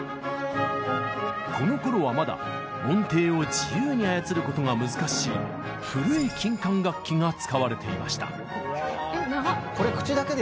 このころはまだ音程を自由に操ることが難しい古い金管楽器が使われていました。